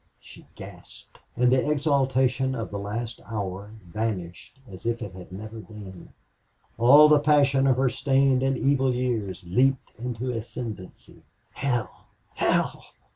she gasped. And the exaltation of the last hour vanished as if it had never been. All the passion of her stained and evil years leaped into ascendency. "Hell hell!